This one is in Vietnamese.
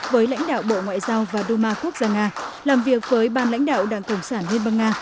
với lãnh đạo bộ ngoại giao và duma quốc gia nga làm việc với ban lãnh đạo đảng cộng sản liên bang nga